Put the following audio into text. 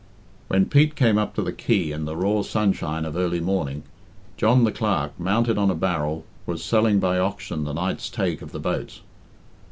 When Pete came up to the quay in the raw sunshine of early morning, John the Clerk, mounted on a barrel, was selling by auction the night's take of the boats.